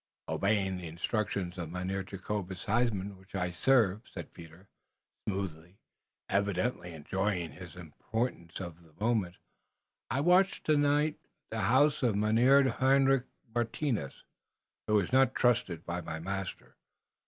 "Obeying the instructions of Mynheer Jacobus Huysman, whom I serve," said Peter, smoothly, evidently enjoying his importance of the moment, "I watched tonight the house of Mynheer Hendrik Martinus, who is not trusted by my master.